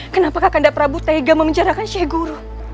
kenapa kandap prabu tega memenjarakan sheikh guru